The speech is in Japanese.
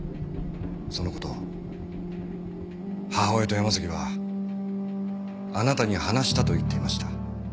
その事を母親と山崎はあなたに話したと言っていました。